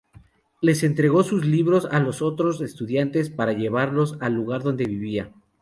Les entregó sus libros a los otros estudiantes para llevarlos al lugar donde vivía.